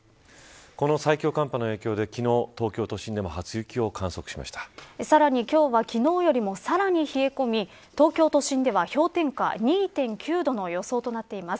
この最強寒波の影響で、昨日東京都心でもさらに今日は昨日よりもさらに冷え込み東京都心では氷点下２．９度の予想となっています。